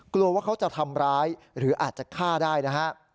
กลัวว่าเขาจะทำร้ายหรืออาจจะฆ่าได้นะฮะ